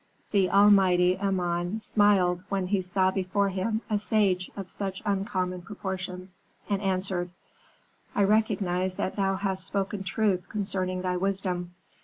"The almighty Amon smiled when he saw before him a sage of such uncommon proportions, and answered, "'I recognize that thou hast spoken truth concerning thy wisdom.